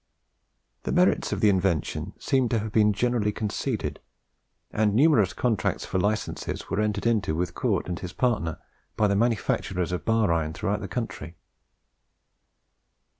The merits of the invention seem to have been generally conceded, and numerous contracts for licences were entered into with Cort and his partner by the manufacturers of bar iron throughout the country.